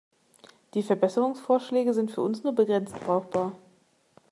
Die Verbesserungsvorschläge sind für uns nur begrenzt brauchbar.